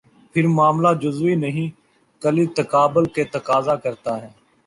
پھر معاملہ جزوی نہیں، کلی تقابل کا تقاضا کرتا ہے۔